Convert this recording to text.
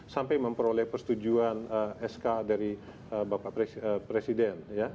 sampai memperoleh persetujuan sk dari bapak presiden